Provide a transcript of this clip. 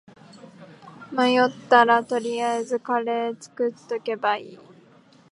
迷ったら取りあえずカレー作っとけばいい